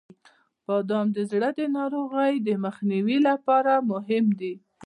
• بادام د زړه د ناروغیو د مخنیوي لپاره مهم دی.